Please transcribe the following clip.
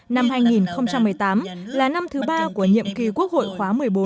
năm hai nghìn một mươi tám là năm thứ ba của nhiệm kỳ quốc hội khóa một mươi bốn